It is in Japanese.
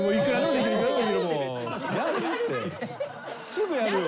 すぐやるよ。